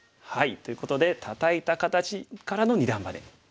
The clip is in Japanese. ということでたたいた形からの二段バネ。